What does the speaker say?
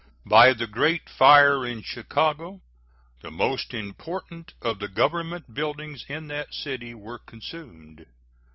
By the great fire in Chicago the most important of the Government buildings in that city were consumed.